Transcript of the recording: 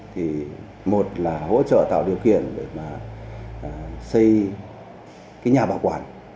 thì một là hỗ trợ tạo điều kiện để mà xây cái nhà bảo quản